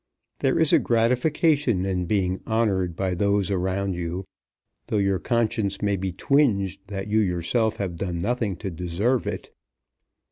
There is a gratification in being honoured by those around you, though your conscience may be twinged that you yourself have done nothing to deserve it.